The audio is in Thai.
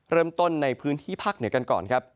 เริ่มต้นในพื้นที่ภาคเหนือกันก่อนครับ